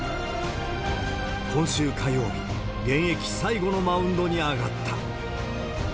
今週火曜日、現役最後のマウンドに上がった。